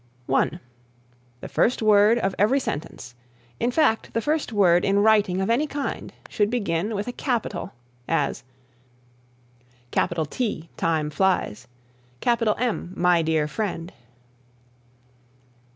(1) The first word of every sentence, in fact the first word in writing of any kind should begin with a capital; as, "Time flies." "My dear friend."